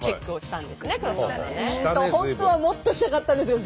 本当はもっとしたかったんですよ。